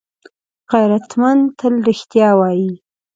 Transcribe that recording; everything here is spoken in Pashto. غیرتمند تل رښتیا وايي